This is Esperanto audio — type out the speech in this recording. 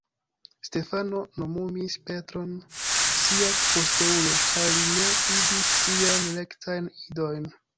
Stefano nomumis Petron sia posteulo, ĉar li ne fidis siajn rektajn idojn.